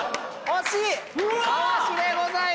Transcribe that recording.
惜しい！